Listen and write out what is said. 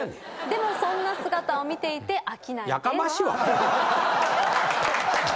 「でもそんな姿を見ていて飽きないです」